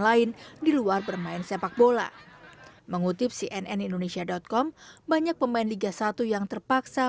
lain di luar bermain sepak bola mengutip cnn indonesia com banyak pemain liga satu yang terpaksa